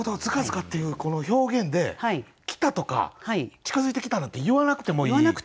「づかづか」っていうこの表現で「来た」とか「近づいてきた」なんて言わなくてもいい。